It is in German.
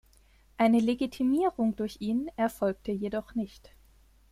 Eine Legitimierung durch ihn erfolgte jedoch nicht.